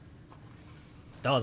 どうぞ！